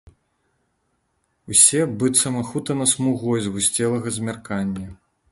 Усе быццам ахутана смугой згусцелага змяркання.